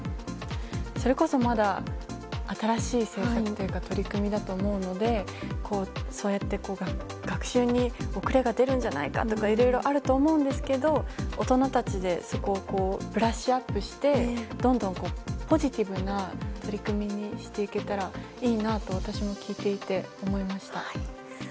それこそまだ新しい政策というか取り組みだと思うので学習に遅れが出るんじゃないかとかいろいろあると思うんですが大人たちでそこをブラッシュアップしてどんどんポジティブな取り組みにしていけたらいいなと私も聞いていて思いました。